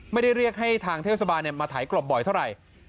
เรียกให้ทางเทศบาลมาถ่ายกลบบ่อยเท่าไหร่